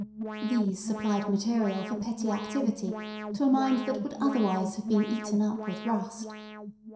These supplied material for petty activity to a mind that would otherwise have been eaten up with rust.